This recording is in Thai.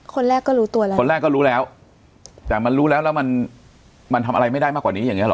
คนแรกก็รู้ตัวแล้วคนแรกก็รู้แล้วแต่มันรู้แล้วแล้วมันมันทำอะไรไม่ได้มากกว่านี้อย่างเงี้หรอ